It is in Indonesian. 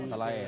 ke tempat lain